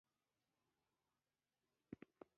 پامیر د افغانانو د تفریح یوه ښه وسیله ده.